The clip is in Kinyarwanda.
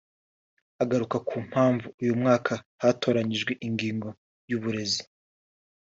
Agaruka ku mpamvu uyu mwaka hatoranyijwe ingingo y’uburezi